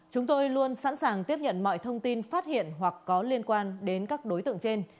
chúng tôi luôn sẵn sàng tiếp nhận mọi thông tin phát hiện hoặc có liên quan đến các đối tượng trên